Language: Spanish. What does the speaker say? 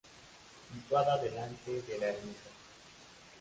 Situada delante de la Ermita.